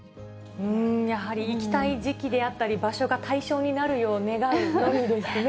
やはり行きたい時期であったり、場所が対象になるよう願うのみですね。